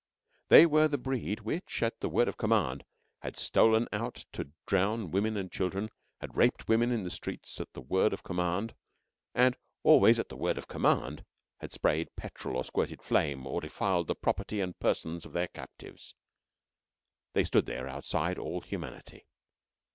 They were the breed which, at the word of command, had stolen out to drown women and children; had raped women in the streets at the word of command; and, always at the word of command, had sprayed petrol, or squirted flame; or defiled the property and persons of their captives. They stood there outside all humanity.